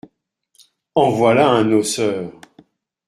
En voilà un noceur !